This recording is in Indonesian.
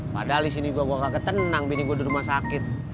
padahal di sini gue kagak tenang bini gue di rumah sakit